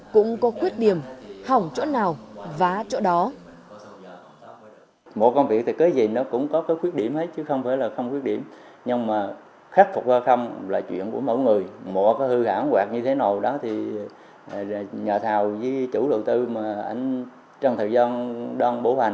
có khuyết điểm hỏng chỗ nào vá chỗ đó